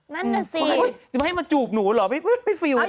นั่นแหละสินี่มันให้มาจูบหนูหรือไม่ฟิลค่ะ